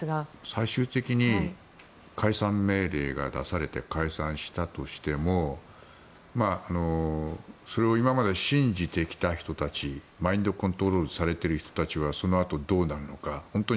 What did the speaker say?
最終的に解散命令が出されて解散したとしてもそれを今まで信じてきた人たちマインドコントロールされている人たちはそのあと、どうなるのか。